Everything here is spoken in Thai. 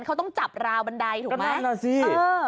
เขาต้องจับราวบันไดถูกไหมแจ้งงั้นนะสิเออ